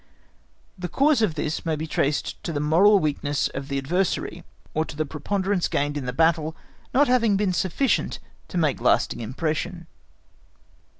The cause of this may be traced to the moral weakness of the adversary, or to the preponderance gained in the battle not having been sufficient to make lasting impression.